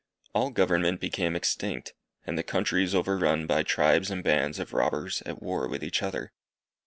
All government became extinct, and the countries overrun by tribes and bands of robbers at war with each other.